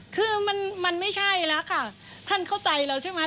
คือมันไม่ใช่แล้วค่ะท่านเข้าใจเราใช่ไหม